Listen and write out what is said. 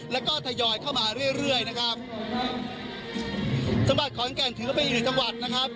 แล้วก็ทยอยเข้ามาเรื่อยเรื่อยนะครับจังหวัดขอนแก่นถือว่าเป็นอีกหนึ่งจังหวัดนะครับ